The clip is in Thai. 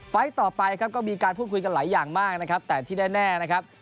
ต่อไปครับก็มีการพูดคุยกันหลายอย่างมากนะครับแต่ที่แน่นะครับ